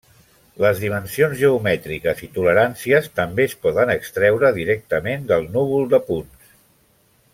Les dimensions geomètriques i toleràncies també es poden extreure directament del núvol de punts.